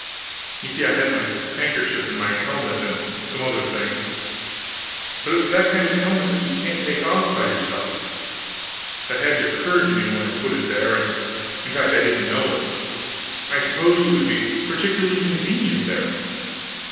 You see I had my handkerchief in my helmet; and some other things; but it was that kind of a helmet that you can't take off by yourself. That hadn't occurred to me when I put it there; and in fact I didn't know it. I supposed it would be particularly convenient there.